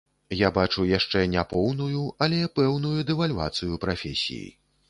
Я бачу яшчэ не поўную, але пэўную дэвальвацыю прафесіі.